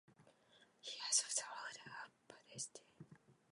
He was of the order of "potestates".